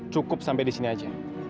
cukup sampai disini aja